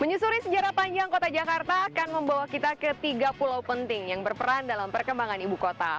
menyusuri sejarah panjang kota jakarta akan membawa kita ke tiga pulau penting yang berperan dalam perkembangan ibu kota